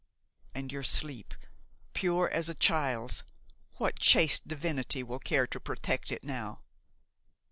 And your sleep, pure as a child's–what chaste divinity will care to protect it now?